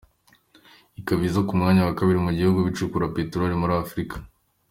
Ikaba iza ku mwanya wa kabiri mu bihugu bicukura peteroli muri Afurika.